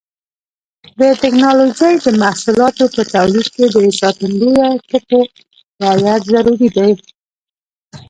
د ټېکنالوجۍ د محصولاتو په تولید کې د ساتندویه ټکو رعایت ضروري دی.